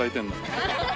アハハハ！